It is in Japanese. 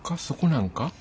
そこなんか？